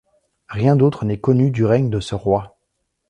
Rien d'autre n'est connu du règne de ce roi.